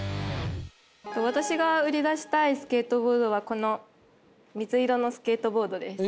私が売り出したいスケートボードはこの水色のスケートボードです。